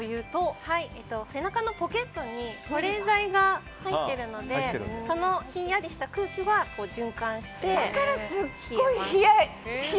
背中のポケットに保冷剤が入っているのでそのひんやりした空気が循環して冷えます。